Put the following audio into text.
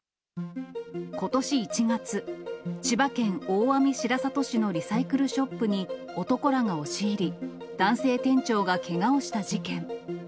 ことし１月、千葉県大網白里市のリサイクルショップに男らが押し入り、男性店長がけがをした事件。